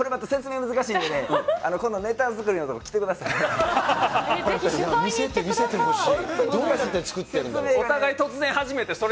あー、これまた説明が難しいんでね、今度ネタ作りのところ、来てください。